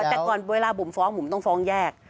แต่ก่อนเวลาบุ๋มฟ้องบุ๋มต้องฟ้องแยก